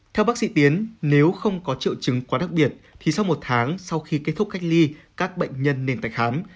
theo bác sĩ tiến nếu không có triệu chứng quá đặc biệt thì sau một tháng sau khi kết thúc cách ly các bệnh nhân nên tại khám